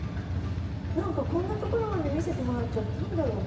なんかこんなところまで見せてもらっちゃっていいんだろうか。